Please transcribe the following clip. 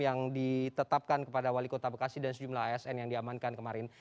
yang ditetapkan kepada wali kota bekasi dan sejumlah asn yang diamankan kemarin